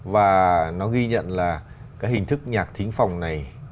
và nó ghi nhận là cái hình thức nhạc thính phòng này